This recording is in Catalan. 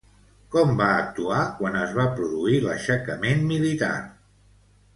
Com va actuar quan es va produir l'aixecament militar?